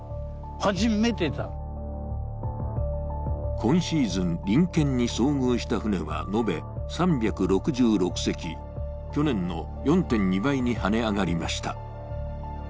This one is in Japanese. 今シーズン、臨検に遭遇した船は延べ３６６隻、去年の４．２倍に跳ね上がりました。